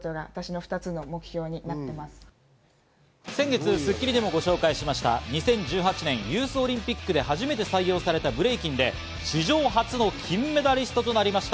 先月『スッキリ』でもご紹介しました２０１８年ユースオリンピックで初めて採用されたブレイキンで史上初の金メダリストとなりました。